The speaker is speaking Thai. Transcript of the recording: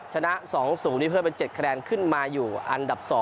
ชนะ๒๐นี้เพิ่มเป็น๗คะแนนขึ้นมาอยู่อันดับ๒